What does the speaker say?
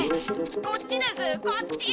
こっちですこっち！